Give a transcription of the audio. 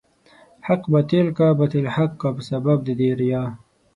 حق باطل کا، باطل حق کا په سبب د دې ريا